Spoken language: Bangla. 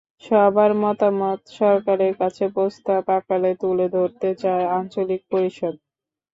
সবার মতামত সরকারের কাছে প্রস্তাব আকারে তুলে ধরতে চায় আঞ্চলিক পরিষদ।